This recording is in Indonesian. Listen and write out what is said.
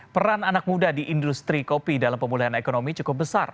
peran anak muda di industri kopi dalam pemulihan ekonomi cukup besar